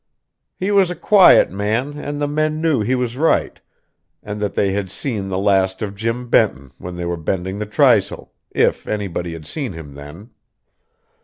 He was a quiet man, and the men knew he was right, and that they had seen the last of Jim Benton when they were bending the trysail if anybody had seen him then.